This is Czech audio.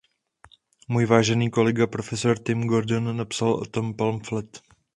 Můj vážený kolega, profesor Tim Congdon, napsal o tom pamflet.